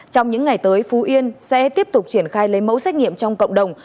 trong những ngày tới phú yên sẽ tiếp tục triển khai lấy mẫu xét nghiệm trong cộng đồng